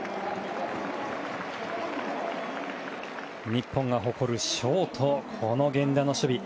日本が誇るショートこの源田の守備。